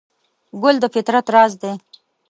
ګل د فطرت راز دی.